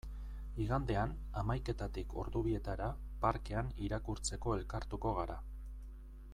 Igandean, hamaiketatik ordu bietara, parkean irakurtzeko elkartuko gara.